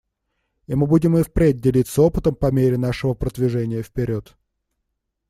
И мы будем и впредь делиться опытом по мере нашего продвижения вперед.